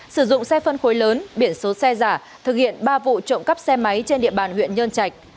sử dụng xe phân khối lớn biển số xe giả thực hiện ba vụ trộm cắp xe máy trên địa bàn huyện nhơn trạch